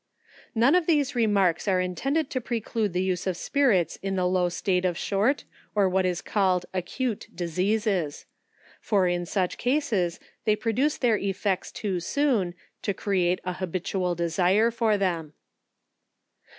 None of these remarks are intended to preclude the use of spirits in the low state of short, or what are called acute diseases, for in such cases, they produce their effects too soon to create an habitual desire for them.